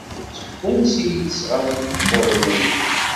Seg wansi ay d-sɣan ikebbuḍen-nni?